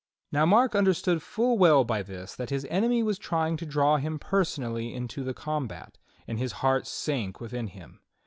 Now Mark understood full well by this that his enemy was try ing to draw him personally into the combat, and his heart sank within him.